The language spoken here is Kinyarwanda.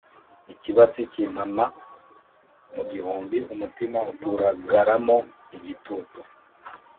Ikibatsi kimpama mu gihumbi Umutima uturagaramo igitutu.